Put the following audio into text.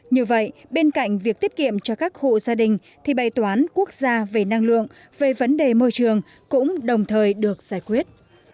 như vậy bên cạnh việc tiết kiệm cho các hộ gia đình thì bày toán quốc gia về năng lượng về vấn đề môi trường cũng đồng thời được giải quyết